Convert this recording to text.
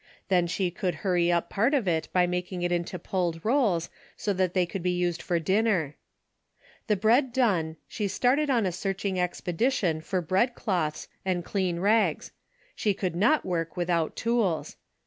Then she could hurry up part of it by making it into pulled rolls so that they could be used for dinner. The bread done she started on a searching expedi 142 A DAILY RATE. tion for bread cloths and clean rags. She could not work without tools.